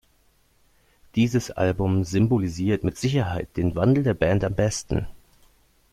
Dieses Album symbolisiert mit Sicherheit den Wandel der Band am besten.